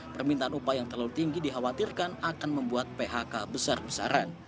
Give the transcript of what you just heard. permintaan upah yang terlalu tinggi dikhawatirkan akan membuat phk besar besaran